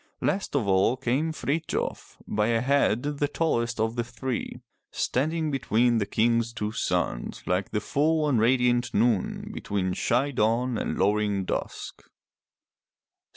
Last of all came Frithjof, by a head the tallest of the three, standing between the King's two sons like the full and radiant noon between shy dawn and lowering dusk.